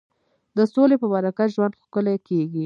د سولې په برکت ژوند ښکلی کېږي.